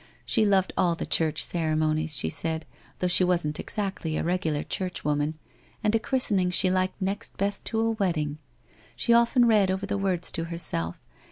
She loved all the church ceremonies, she said, though she wasn't exactly a regular church woman, and a christening she liked next best to a wedding. She often read over the words to herself.